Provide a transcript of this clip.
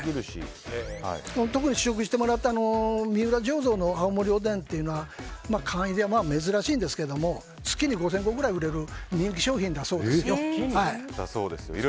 特に試食してもらった三浦醸造の青森おでんっていうのは缶では珍しいんですが月に５０００個くらい売れる人気商品だそうです。